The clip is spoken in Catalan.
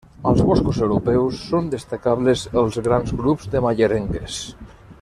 Als boscos europeus són destacables els grans grups de mallerengues.